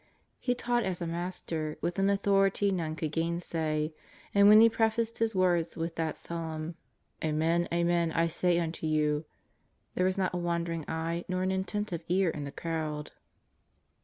He taught as a Master, with an authority none could gainsay, and when He prefaced His words with that solemn: '^Amen, amen, I say unto you," there was not a wandering eye nor an inattentive ear in the crowd.